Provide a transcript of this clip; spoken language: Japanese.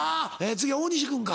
次大西君か。